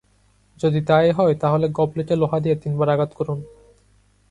যদি তা-ই হয়, তা হলে গবলেটে লোহা দিয়ে তিন বার আঘাত করুন।